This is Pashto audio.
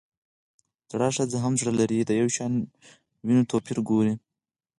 زړه ښځه هم زړۀ لري ؛ د يوشان ويونو توپير وګورئ!